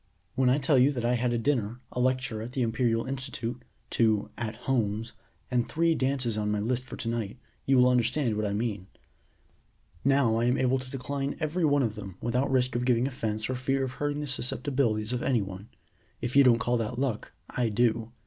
"When I tell you that I had a dinner, a lecture at the Imperial institute, two 'at homes,' and three dances on my list for to night, you will understand what I mean. Now I am able to decline every one of them without risk of giving offense or fear of hurting the susceptibilities of any one. If you don't call that luck, I do.